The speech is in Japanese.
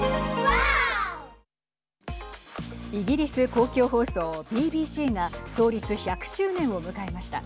イギリス公共放送ＢＢＣが創立１００周年を迎えました。